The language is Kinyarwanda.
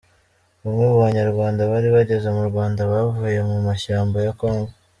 Bamwe mu Banyarwanda bari bageze mu Rwanda bavuye mu mashyamba ya kongo.